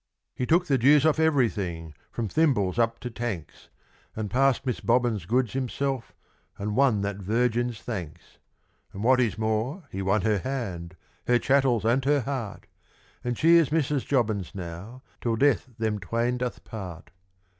He took the dues off everything, from thimbles up to tanks, And passed Miss Bobbins' goods himself, and won that virgin's thanks; And what is more, he won her hand, her chattels and her heart, And she is Mrs. Jobbins now, till death them twain doth part.